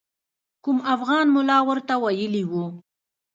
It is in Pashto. کوم افغان ملا ورته ویلي وو.